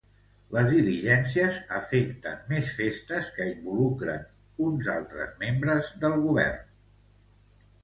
Les diligències afecten més festes que involucren uns altres membres del govern.